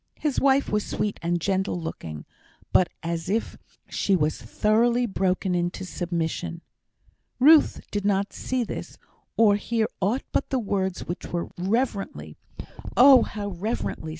His wife was sweet and gentle looking, but as if she was thoroughly broken into submission. Ruth did not see this, or hear aught but the words which were reverently oh, how reverently!